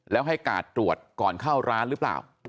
แล้วให้กาดตรวจก่อนเข้าร้านหรือเปล่า